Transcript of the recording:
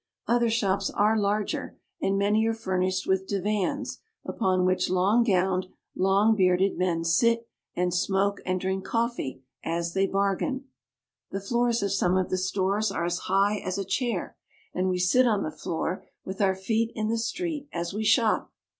Other shops are larger ; and many are furnished with divans upon which long gowned, long bearded men sit, and smoke and drink coffee as they bar gain. The floors of some of the stores are as high as a chair, and we sit on the floor with our feet in the street as we shop.